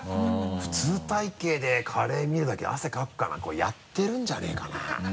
普通体形でカレー見るだけで汗かくかな？これやってるんじゃねぇかな？